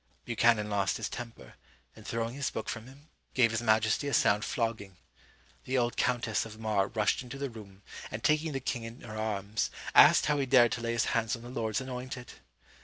Buchanan lost his temper, and throwing his book from him, gave his majesty a sound flogging. The old countess of Mar rushed into the room, and taking the king in her arms, asked how he dared to lay his hands on the Lord's anointed?